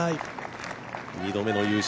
２度目の優勝